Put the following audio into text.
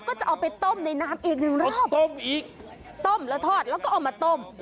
ก็จะเอาไปต้มในน้ำอีกหนึ่งรอบต้มอีกต้มแล้วทอดแล้วก็เอามาต้ม